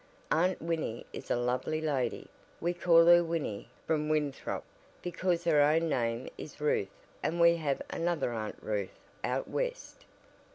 Aunt Winnie is a lovely lady we call her Winnie from Winthrop, because her own name is Ruth and we have another Aunt Ruth out West."